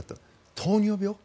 糖尿病。